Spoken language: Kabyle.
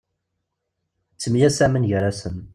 Ttemyasamen gar-asen.